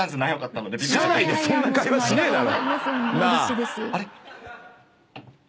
社内でそんな会話しねえだろ！